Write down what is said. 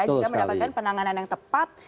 juga mendapatkan penanganan yang tepat